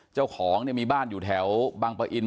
เจ้าของมีบ้านอยู่แถวบางประอินทร์